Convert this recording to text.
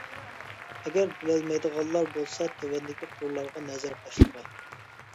ئەگەر بىلەلمەيدىغانلار بولسا تۆۋەندىكى قۇرلارغا نەزەر تاشلىغاي.